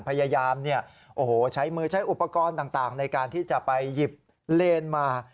พยายามเนี่ยโอ้โหใช้มือใช้อุปกรณ์ต่างในการที่จะไปหยิบเลนส์มา